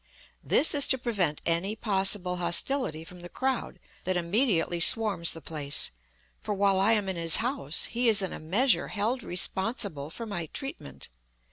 This is to prevent any possible hostility from the crowd that immediately swarms the place; for while I am in his house he is in a measure held responsible for my treatment.